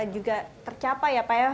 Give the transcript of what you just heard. juga tercapai ya pak ya